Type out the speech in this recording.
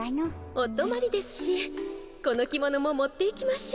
おとまりですしこの着物も持っていきましょう。